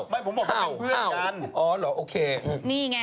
ไม่ผมบอกเขาไปเพื่อกัน